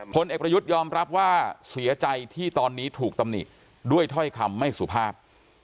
ผลเอกประยุทธ์ยอมรับว่าเสียใจที่ตอนนี้ถูกตำหนิด้วยถ้อยคำไม่สุภาพ